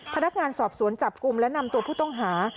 พนักงานสอบสวนจับกลุ่มและนำตัวผู้ต้องหา